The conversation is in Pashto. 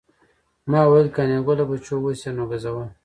ما ویل قانع ګله بچو اوس یې نو ګزوه.